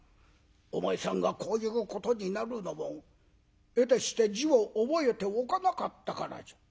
お前さんがこういうことになるのもえてして字を覚えておかなかったからじゃ」。